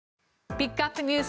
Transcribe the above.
ピックアップＮＥＷＳ